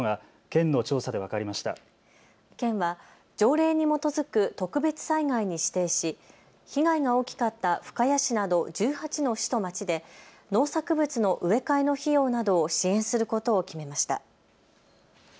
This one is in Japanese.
県は条例に基づく特別災害に指定し被害が大きかった深谷市など１８の市と町で農作物の植え替えの費用などを支援することを決めました。